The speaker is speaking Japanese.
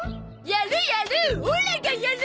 やるやる！